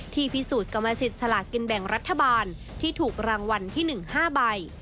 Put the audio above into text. พิสูจน์กรรมสิทธิ์สลากินแบ่งรัฐบาลที่ถูกรางวัลที่๑๕ใบ